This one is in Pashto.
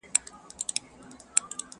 o خر د خنکيانې په خوند څه پوهېږي!